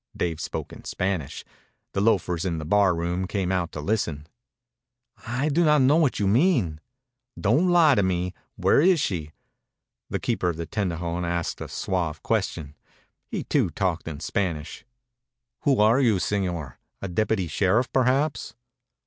Dave spoke in Spanish. The loafers in the bar room came out to listen. "I do not know what you mean." "Don't lie to me. Where is she?" The keeper of the tendejon asked a suave question. He, too, talked in Spanish. "Who are you, señor? A deputy sheriff, perhaps?"